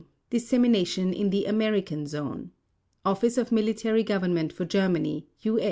Dissemination in the American Zone OFFICE OF MILITARY GOVERNMENT FOR GERMANY (U.